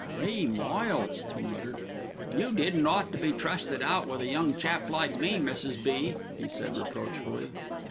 "Three miles," he muttered. "You didn't ought to be trusted out with a young chap like me, Mrs. B.," he said reproachfully.